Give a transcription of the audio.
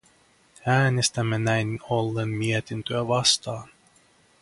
Äänestämme näin ollen mietintöä vastaan.